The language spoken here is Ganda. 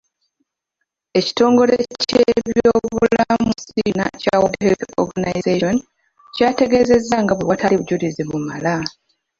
Ekitongole ky'ebyobulamu mu nsi yonna ekya World Health Organization, kyategeezezza nga bwe watali bujulizi bumala .